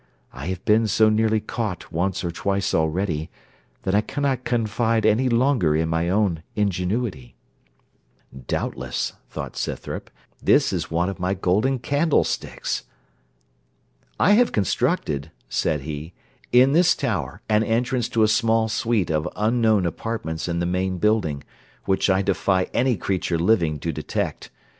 I have been so nearly caught once or twice already, that I cannot confide any longer in my own ingenuity.' Doubtless, thought Scythrop, this is one of my golden candle sticks. 'I have constructed,' said he, 'in this tower, an entrance to a small suite of unknown apartments in the main building, which I defy any creature living to detect.